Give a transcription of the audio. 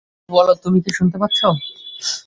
বাবা, কিছু বলো তুমি কি শুনতে পাচ্ছো?